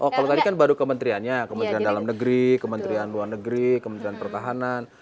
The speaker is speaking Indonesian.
oh kalau tadi kan baru kementeriannya kementerian dalam negeri kementerian luar negeri kementerian pertahanan